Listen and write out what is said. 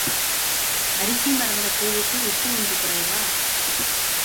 அரிசி மறந்த கூழுக்கு உப்பு ஒன்று குறைவா?